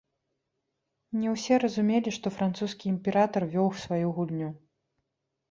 Не ўсе разумелі, што французскі імператар вёў сваю гульню.